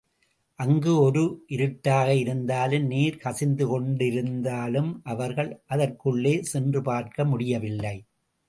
அங்கு ஒரே இருட்டாக இருந்ததாலும், நீர் கசிந்துகொண்டிருந்ததாலும் இவர்கள் அதற்குள்ளே சென்று பார்க்க முடியவில்லை.